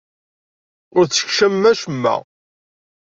Ur d-teskecmem acemma.